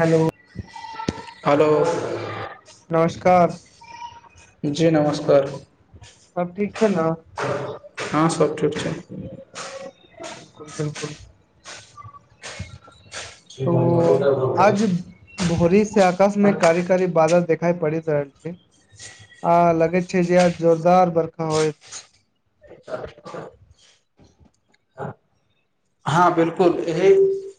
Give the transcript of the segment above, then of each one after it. Hello hello नमस्कार जी नमस्कार! सब ठीक छैय ने? हँ सब ठीक छैय। बिलकुल तो आज भोरीसे आकाशमे कारीग कारी बादल देखाई पड़ित रहल छैय। आ लगैत छैय जे आज जोरदार बरखा होइछ। [unintelligible] हँ बिल्कुल एही [unintelligible]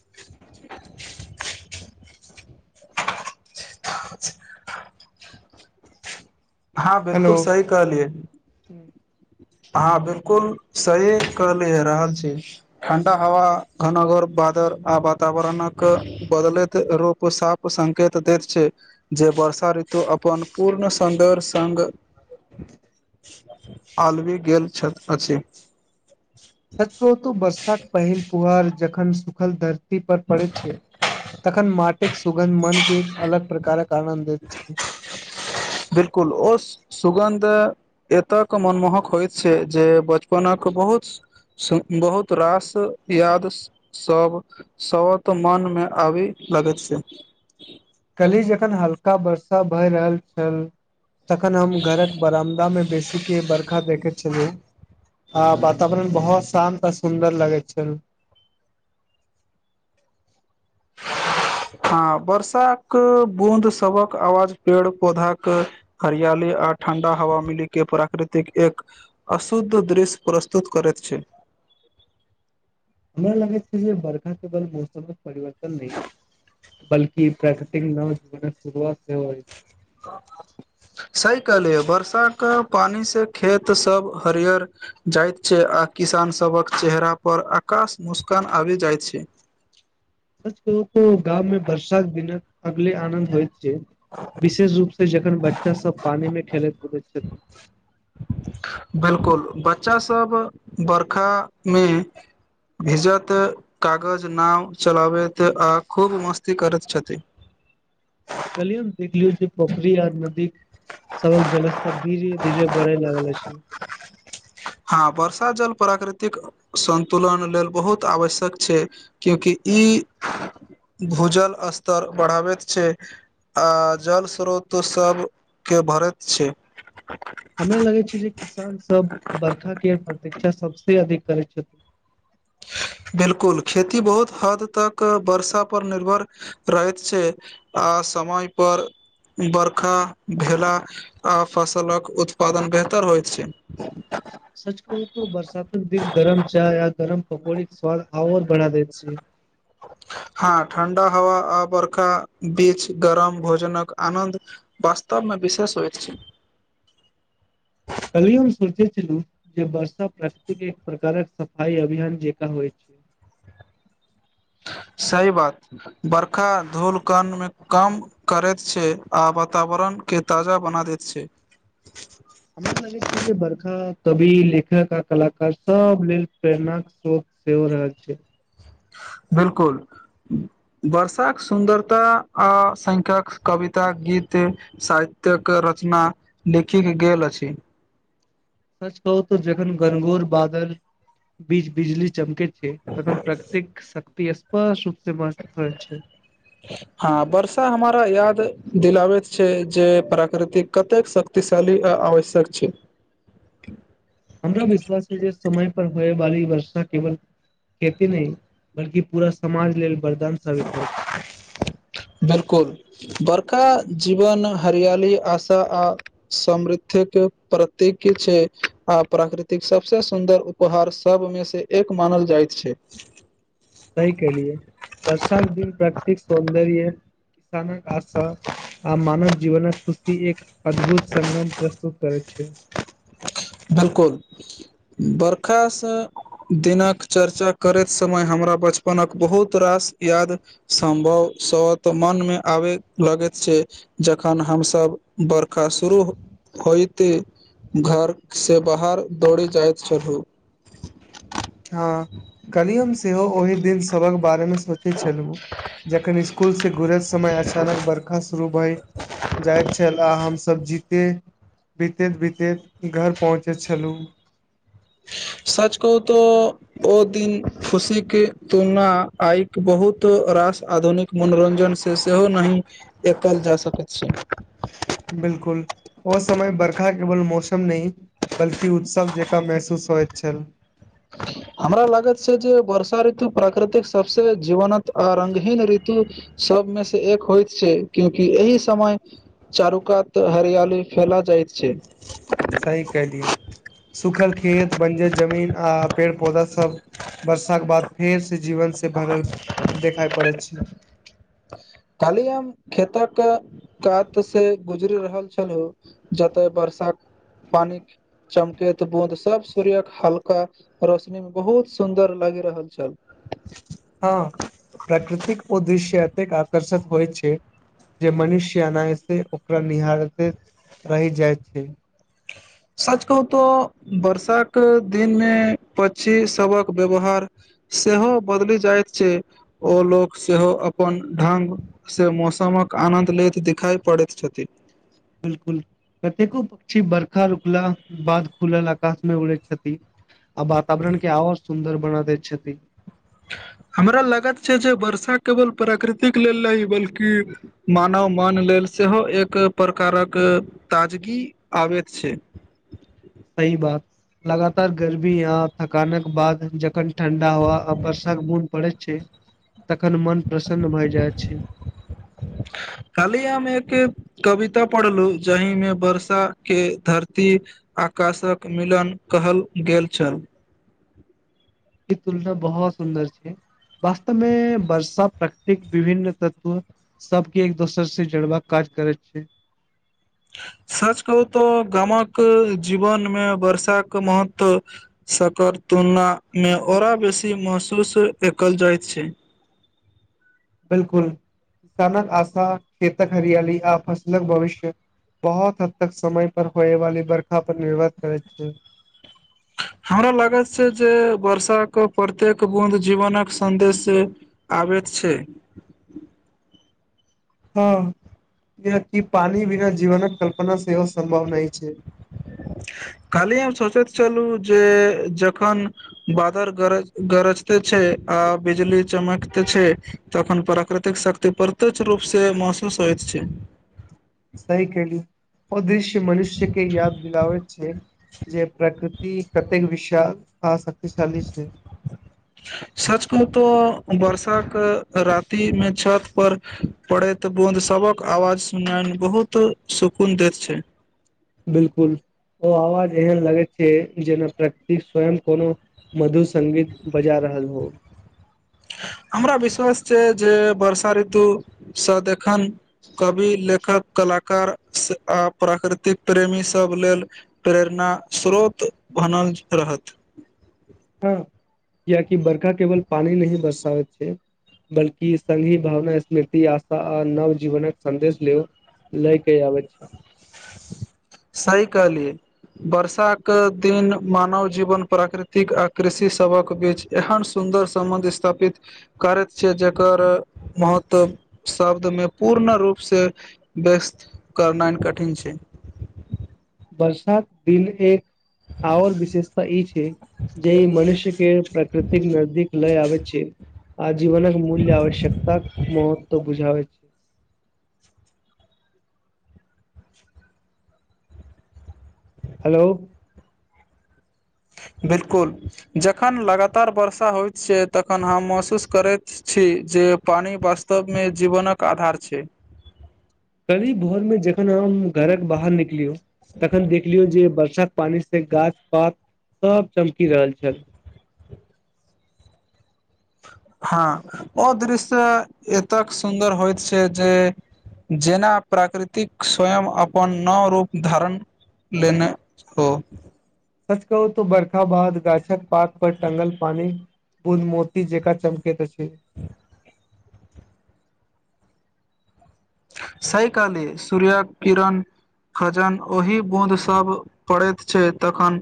हँ हेलो बिल्कुल सही कहलियै [inaudible] हँ बिल्कुल सही कहलीह रहल छी ठण्डा हवा घना घोर बादर आ वातावरणक बदलैत रूप साफ संकेत दैत छैय जे वर्षा ऋतु अपन पूर्ण सौंदर्य संग [inaudible] आलबी गेल छैथ अछि सच कहू तऽ वर्षा कऽ पहिल पुहार जखन सुखल धरती पर पड़े छैय तखन माटिक सुगन्ध मन के एक अलग प्रकारक आनन्दैत छै बिल्कुल ओ सऽ सुगन्ध एतक मनमोहक होइ छै जे बचपन कऽ बहुत संग बहुत रास यादसँ सब [inaudible] सबत मन मे आबि लगैत छै कल्ही जखन हल्का बर्षा भए रहल छल तखन हम घरक बरामदामे बेसीकेँ बरखा देखैत छलहुँ आ वातावरण बहुत शान्त आ सुन्दर लगैत छै [unintelligible] हँ वर्षाक बूद सबक आवाज पेड़ पौधा कऽ हरियली आर ठण्डा हवा मिली केँ प्राकृतिक एक अशुद्ध दृश्य प्रस्तुत करैत छै हमरा लागे छै जे बर्षा केवल मौसम कऽ परिवर्तन नै [inaudible] बलकि प्राकृतिक नव जीवन शुरुआत से होइछ [inaudible] सही कहलिह वर्षा केँ पानी से खेत सब हरियर जाइत छै आ किसान सबक चेहरा पर आकाश मुस्कान आबि जाइत छै [inaudible] सच कहु तऽ गाम में वर्षा के दिनक अगले आनंद होइत छै विशेष रूप से जखन बच्चा सब पानी मे खेलैत कुदैत छथिन बिल्कुल बच्चा सब बरखामे भि जऽ तऽ कागज नाव चलाबैत आ खूब मस्ती करैत छथिन [inaudible] कल्हियदेखलियो जे पोखरी आर नदी [inaudible] सबक जलस्तर धीरे धीरे बढ़े लागल अछी हँ वर्षा जल प्राकृतिक संन्तुलन लेल बहुत आवश्यक छै क्यूंकि इ [inaudible] भूजल स्तर बढ़ाबैत छै आ जल स्रोत सब केँ भरैत छै हमरा लगे छै जे किसान सब बरखा केँ प्रतीक्षा सबसे अधिक करे छथिन बिल्कुल खेती बहुत हद तक वर्षा पर निर्भर। रहैत छै आ समय पर बरखा भेला। आ फसल कऽ उत्पादन बेहतर होइत छै। [inaudible] सच कहू त बरसातक दिन गरम चाय य गरम पकौड़ी कऽ स्वाद और बढ़ा दै छै। हँ ठण्डा हवा आ बरखा बीच गरम भोजनक आनन्द। वास्तवमे विशेष होत छै। कल्हियो हम सोचे छलु जे वर्षा प्रकृतिक एक प्रकारक सफाई अभियान जेक होइ छै। सही बात बरखा धूल कन मे कम। करैत छै आ वातावरण केँ ताजा बना दैत छै। हमरा लागैत छै जे बड़खा कवि लेखक आ कलाकार सब लेल प्रेरणाक स्रोत। सेहो रहल छै। बिलकुल। वर्षाक सुन्दरता आ सख्यक कविता गीत। साहित्य्यक रचना लिखि गेल अछि। सच कहू त जखन घनगोर बादल, बीच बिजली चमकेत प्रथम प्राकतिक शक्ति अष्पट रूप से महसूस होइ छै। [inaudible] हँ वर्षा हमारा याद दिलबैत छै जे प्राकृतिक कतेक शक। श्तिशाली आ आवश्यक छै। हमरा विश्वास है जे समय पर होइ बारी वर्षा केवल। खेती नहि बल्कि पूरा समाज लेल वरदान साबित करैत छै। बिलकुल, बड़का जीवन हरियली आशा आ। समृद्ध के प्रतीक छै आ प्राकृतिक सबसँ सुन्दर। उपहार सबमे से एक मानल जाइत छै। सही केेलिय, वर्षाक दिन प्रतिक सौन्दर्य। किसानक आशा आ मानव जीवन खुश। एक अद्भुत सगम प्रस्तुत करै छै। बिलकुल, बरखासँ। दिनक चर्चा करैत समय हमरा बचपनक बहुत रास याद। सम्भव स त मन मे आबे लगैत छै। जखन हमसभ बर्खा शुरू होयइते घर। से बाहर दौड़े जाइत छलहुँ। हँ कनि हम सेहो ओहि दिन सभक बारेमे सोचैत छलहु। जखन स्कूल से घुरत समय अचानक बर्षा शुरू भय। जाइत छल आ हमसभ जीते। बतैत बीतैत घर पहुँचैत छलहुँ सच कहू तऽ ओ दिन खुशीक के तुलना आयक बहुत रास आधुनिक मनोरञ्जन से सेहो नहिही ऐकल जा सकैत छीये। बिलकुल ओ समय बर्खा केवल मौसम नहि बल्कि उत्सव जेकाँ महसूस होइत छल [inaudible] हमरा लागत छै जे वर्षा ऋतु प्राकृतिक सबस जीवनत आ रंगहीन ऋतु सबमे से एक होइत छै क्यूंकि एहि समय। चारुकात हारियाली फेला जाइत छै सही कहलियए सुखल खेत बंजर जमीन आ पेड़ पौधा सब वर्षाके बाद फेरसँ जीवनसँ भरल देखाइ पड़ै छै काल्हि हम खेतक कात से गुजरि रहल छलौं जतय बर्षाक पानिक चमकेैत बूँद सब सूर्यक हल्का। रोशनीमे बहुत सुन्दर लागि रहल छल। हाँ प्रकृतिक ओ दृश्य एतेक आकर्षक होइत छैय। जे मनुष्य अनायसे ओकरा निहारते रहि जाइत छै। सच कहू तऽ वर्षाक के दिन मे पक्षी सबहक व्यवहार सेहो बदलि जाइत छै ओ लोक सेहो अपन ढंग से मौसमक आनन्द लैत दिखाय पड़ैत छथि। बिलकुल कतेको पक्षी बर्खा रुकला के बाद खुलल आकाश मे उड़य छथि। आ वातावरण के आओर सुन्दर बना दैत छथि। हमरा लागत छै जे वर्षा केवल प्रकृतिक लेल नहि बल्कि मानव मन लेल सेहो एक प्रकारक ताजगी आबैत छै। सही बात, लगातार गर्मी आ थकानक बाद जखन ठण्डा हवा आ वर्षाक बूंद पड़ैत छै तखन मन प्रसन्न भए जाइत छै। काल्हि हम एके कविता पढ़लू जहिमे वर्षा के धरती आकाशक मिलन कहल गेल छल। ई तुलना बहुत सुन्दर छै। वास्तव मे वर्षा प्रकृतिक विभिन्न तत्व सबके एक दोसर से जोड़बाक काज करैत छै। सच कहू तो गामक जीवनमे वर्षाक महत्व सकर तुलना मे औरा बेसी महसूस एकल जाइत छै। बिल्कुल किसानक आशा खेतक हरियाली आ फसलक भविष्य बहुत हद तक समय पर होए वाली बर्खा पर निर्भर करैत छै। हमरा लागत छै जे वर्षाक प्रत्येक बूंद जीवनक सन्देश आबैत छै। हाँ कियेकि पानी विना जीवनक कल्पना सेहो संभव नहि छै। कल्हि हम सोचैत छलू जे जखन बादर गरज गरजते छै आ बिजली चमकते छै तखन प्राकृतिक शक्ति प्रत्यक्ष रूप से महसूस होइत छै। सही केहलु ओ दृश्य मनुष्य के याद दिलाबैत छै, जे प्रकृति कतेक विशाल आ शक्तिशाली छै। सच कहुँ तो वर्षाक राति मे छत पर पड़ैत बूंद सबक आवाज सुनाय बहुत सुकून दैत छै। बिलकुल, ओ आवाज एहेन लगैत छै जेना प्रकृति स्वयं कोनो मधु संगीत बजा रहल हो। हमरा विश्वास छै जे वर्षा ऋतु सँ देखन कवि लेखक कलाकार स आ प्राकृतिक प्रेमी सब लेल प्रेरणा स्रोत बनल रहत। हँ, कियाकि बर्खा केवल पानि नहि बरसाबैत छै। बल्कि संघी भावना स्मृति आस्था आ नव जीवनक संदेश लेयो लय के आबैत छै। सही कहलियै। वर्षाक दिन मानव जीवन प्राकृतिक आ कृषि सभक बीच एहन सुन्दर सम्बन्ध स्थापित करैत छै जेकर महत्व शब्द मे पूर्ण रूप से व्यस्त करनैन कठिन छै। बरसात दिन एक आओर विशेषता ई छै जे मनुष्य के प्राकृतिक नजदीक लय आबैत छै। आ जीवनक मूल्य आवश्यकता महत्व बुझाबे छै। हल्लौ बिल्कुल जखन लगातार वर्षा होइत छै तखन हम महसूस करैत। छी जे पानी वास्तव मऽ जीवनक कऽ आधार छै। कल्हि भोर मे जखन हम घरक बाहर निकलियो तखन देखलियो जे वर्षा के पानी। गाछ पात सब चमकी रहल छल हँ ओ दृश्य एतेक सुन्दर होइत छै जे। जेना प्राकृतिक स्वयं अपन नौ रूप धारण। लेने हो। सच कहू त बर्खा बाद गाछक पात पर टांगल पानी। उन मोती जेका चमकैत अछि सही कहलिहि सूर्य किरण। खजन ओहि बूँद सब पड़ैत छै तखन।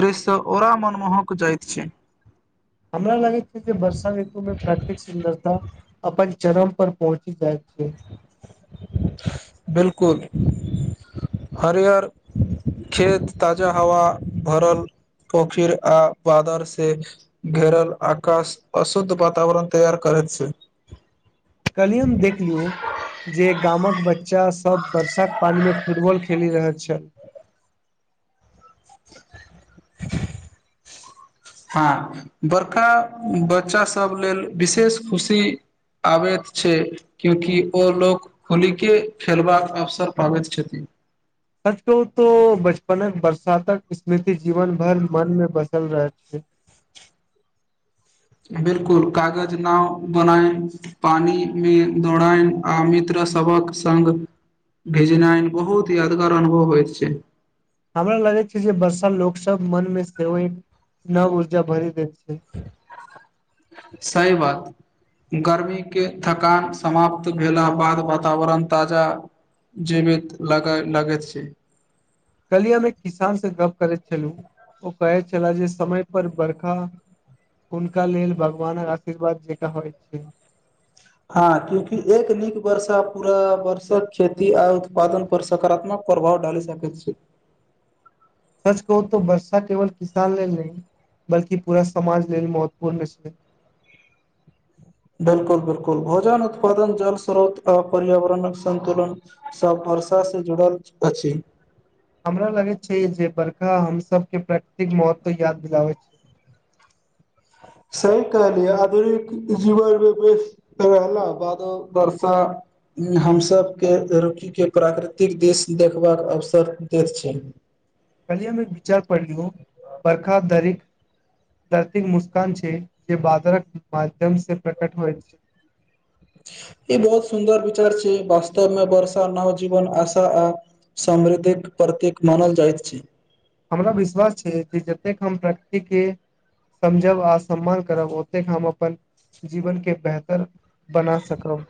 दृश्य ओरा मनमोहक जाइत छै। हमरा लागै छै जे वर्षा ऋतु मऽ प्राकृिक सुन्दरता। अपन चरम पर पहुँची जाइत छै। बिल्कुल हरियर। खेत ताजा हवा भरल पोखेर आ बादल से। घेरल आकाश आ शुद्ध वातावरण तैयार करै छै। कल्हि हम देखलियु जे गामक बच्चा सब। बर्साक पानी मऽ फुटबॉल खेली रहल छल। [unintelligible] हँ बड़का बच्चा सब लेल विशेष खुशी। आबैत छै। क्यूँकि ओ लोक होलीके खेलबाक अवसर पाबैत छथिन। सच कहु तो बचपन बरसातक स्मृति जीवन भर मन में बसल रह छै। बिल्कुल कागज नाव बनाए। पानी मे दौड़ाय आ मित्र सभक संग। भेजनाइन बहुत यादगार अनुभव होयत छै। हमरा लगे छै जे वर्षा लोक सब मन मे सेहो एक नव ऊर्जा भरी देैत छै। सही बात। गर्मी कऽ थकान समाप्त भेला बाद वातावरण ताजा। जीवित लगै लगैत छै। काल्हि हम एक किसान से गप करैत छलु ओ कहै छले जे समय पर बर्षा। हुनका लेल भगवानक आशीर्वाद जेकाँ होइत छै। हँ क्यूंकि एक नीक वर्षा पूरा वर्षक खेती आ उत्पादन। पर सकारात्मक प्रभाव डाली सकै छै। सच कहू तऽ वर्षा केवल किसान लेल नऽ बल्कि पूरा समाज लेल महत्वपूर्ण छै। बिल्कुलकुल बिल्कुल भोजन उत्पादन जल स्रोत आ पर्यावरणक संन्तुलन। सब वर्षा सऽ जुड़ल अछी। हमरा लगे छै जे बरखा हम सब के प्राकृतिक महत्व याद दिलाबे छै। सही कहलिये आधुनिक जीवनमे बेस। के रहला बादो वरसा। हमसब के रुकि के प्राकृतिक दृश्य देखबाक अवसर देत छै। काल्हि हम एक विचार पढ़ली हूँ बरखा धर। धरतीक मुस्कान छै जे बादरक माध्यम से प्रकट होय छै। ई बहुत सुन्दर विचार छै वास्तव मे वर्षा नव जीवन आशा आ। समृद्धिक प्रतीक मानल जाइत छै। हमरा विश्वास छै जे जतेक हम प्रकृतिके। समझब आ सम्मान करब ओतेक हम अपन जीवन के बेहतर बना सकब।